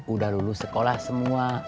udah lulus sekolah semua